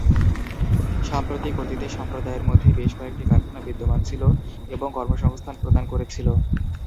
সাম্প্রতিক অতীতে, সম্প্রদায়ের মধ্যে বেশ কয়েকটি কারখানা বিদ্যমান ছিল এবং কর্মসংস্থান প্রদান করেছিল।